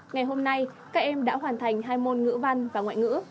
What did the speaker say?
ngày hôm nay các em đã hoàn thành hai môn ngữ văn và ngoại ngữ